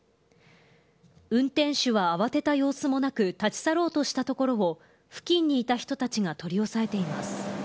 運転手は慌てた様子もなく、立ち去ろうとしたところを、付近にいた人たちが取り押さえています。